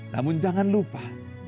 namun jangan lupa